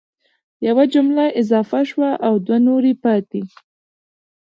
یوه جمله اضافه شوه او دوه نورې پاتي